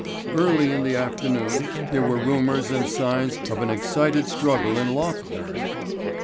Early in the afternoon there were rumours and signs of an excited struggle in Lothbury.